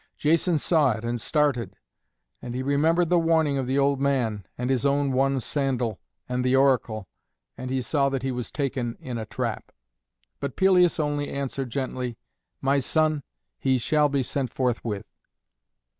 Jason saw it and started, and he remembered the warning of the old man, and his own one sandal and the oracle, and he saw that he was taken in a trap. But Pelias only answered gently, "My son, he shall be sent forthwith."